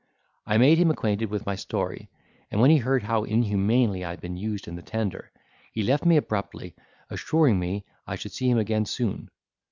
I made him acquainted with my story, and, when he heard how inhumanly I had been used in the tender, he left me abruptly, assuring me I should see him again soon.